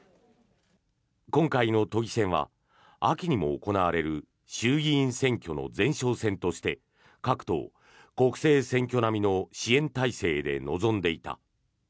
今回の都議選は秋にも行われる衆議院選挙の前哨戦として各党、国政選挙並みの支援体制で臨んでいた。